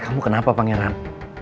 kamu kenapa pak ngeran